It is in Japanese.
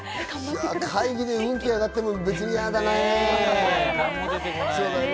会議で運気が上がっても嫌だね。